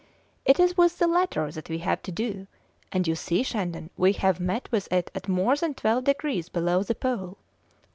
It is with the latter that we have to do, and you see, Shandon, we have met with it at more than twelve degrees below the Pole.